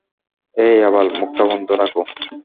অ্যাই আবাল, মুখটা বন্ধ রাখো।